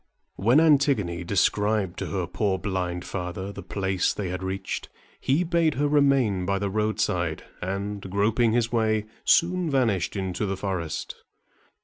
When Antigone described to her poor blind father the place they had reached, he bade her remain by the roadside, and, groping his way, soon vanished into the forest.